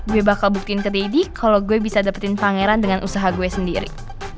gue bakal buktiin ke deddy kalau gue bisa dapetin pangeran dengan usaha gue sendiri